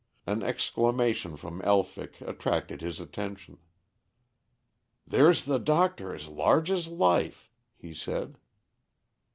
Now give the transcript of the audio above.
An exclamation from Elphick attracted his attention. "There's the doctor as large as life!" he said.